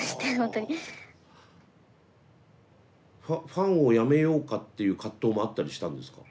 ファンをやめようかっていう葛藤もあったりしたんですか？